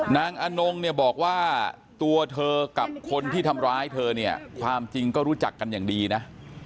อนงเนี่ยบอกว่าตัวเธอกับคนที่ทำร้ายเธอเนี่ยความจริงก็รู้จักกันอย่างดีนะ